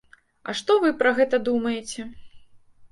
А што вы пра гэта думаеце?